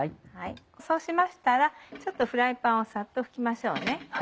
そうしましたらちょっとフライパンをサッと拭きましょうね。